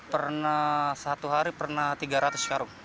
pernah satu hari pernah tiga ratus karung